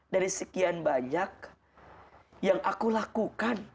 dari sekian banyak yang aku lakukan